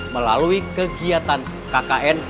melalui kegiatan kkn